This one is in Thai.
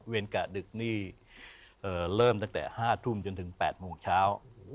กะดึกนี่เริ่มตั้งแต่๕ทุ่มจนถึง๘โมงเช้า